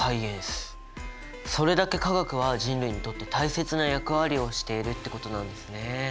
それだけ化学は人類にとって大切な役割をしているってことなんですね。